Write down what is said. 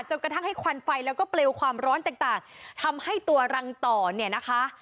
กระทั่งให้ควันไฟแล้วก็เปลวความร้อนต่างทำให้ตัวรังต่อเนี่ยนะคะ